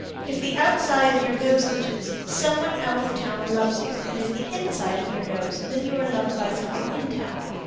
If the outside of your nose itches, some one out of town loves you, and if the inside of your nose, then you are loved by some one in town.